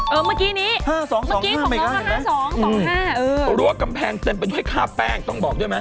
เออเมื่อกี้นี้มันก็๕๒๒๕เออตัวรั้วกำแพงเต็มไปด้วยข้าแป้งต้องบอกใช่ไหม